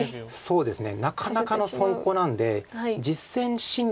そうですね。